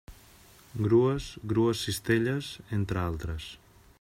Grues, grues cistelles, entre altres.